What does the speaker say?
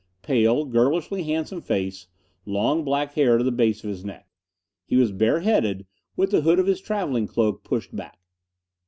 Pale, girlishly handsome face; long, black hair to the base of his neck. He was bareheaded, with the hood of his traveling cloak pushed back.